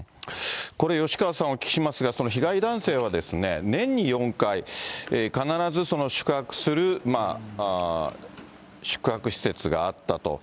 これ吉川さん、お聞きしますが、その被害男性は年に４回、必ずその宿泊する宿泊施設があったと。